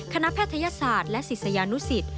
แพทยศาสตร์และศิษยานุสิต